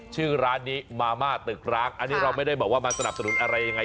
ชื่อร้านนี้มาม่าตึกร้างอันนี้เราไม่ได้บอกว่ามาสนับสนุนอะไรยังไง